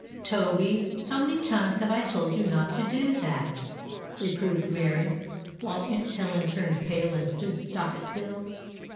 "Toby, how many times have I told you not to do that!" reproved Mary, while Aunt Helen turned pale and stood stock still.